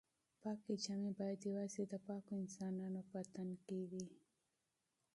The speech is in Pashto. پاکې جامې باید یوازې د پاکو انسانانو په تن کې وي.